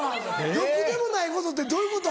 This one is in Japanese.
ろくでもないことってどういうこと？